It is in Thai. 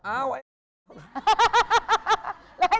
แล้วไอ้ทำไง